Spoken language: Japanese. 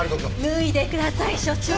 脱いでください所長。